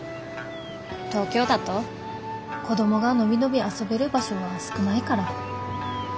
東京だと子供が伸び伸び遊べる場所は少ないから。